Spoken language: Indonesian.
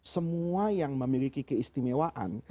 semua yang memiliki keistimewaan